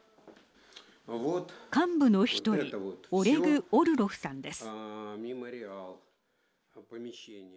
幹部の１人オレグ・オルロフさんです。